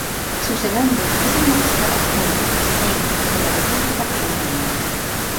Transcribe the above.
Su segundo es el Mariscal Adjunto del Sejm de la República de Polonia.